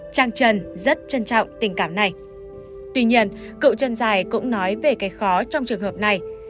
trang trần rất trân trọng tình cảm này tuy nhiên cựu trần giải cũng nói về cái khó trong trường hợp này